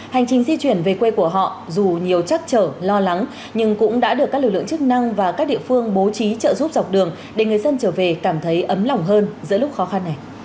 hành trình di chuyển về quê của họ dù nhiều chắc trở lo lắng nhưng cũng đã được các lực lượng chức năng và các địa phương bố trí trợ giúp dọc đường để người dân trở về cảm thấy ấm lỏng hơn giữa lúc khó khăn này